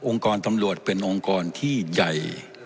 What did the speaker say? กรตำรวจเป็นองค์กรที่ใหญ่